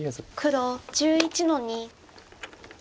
黒１１の二。